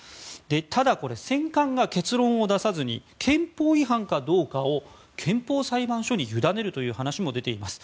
ただ、選管が結論を出さずに憲法違反かどうかを憲法裁判所に委ねるという話も出ています。